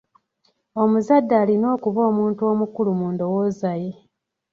Omuzadde alina okuba omuntu omukulu mu ndowooza ye.